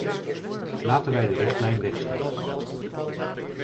Laten wij de richtlijn wegstemmen.